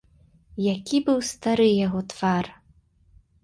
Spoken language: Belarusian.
Які быў стары яго твар!